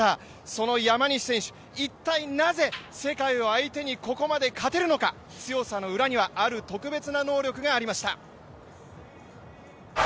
その山西選手、一体なぜ世界を相手にここまで勝てるのか、強さの裏にはある特別な能力がありました。